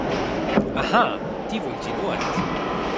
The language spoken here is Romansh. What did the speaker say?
Aha, ti vul dir nuot.